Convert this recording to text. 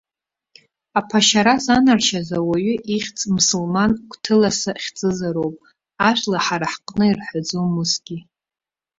Аԥашьара занаршьаз ауаҩы ихьӡ мсылман гәҭылса хьӡызароуп, ажәла ҳара ҳҟны ирҳәаӡом усгьы.